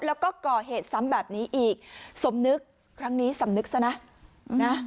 แล้วก็ก่อเหตุซ้ำแบบนี้อีกสมนึกครั้งนี้สำนึกซะนะนะ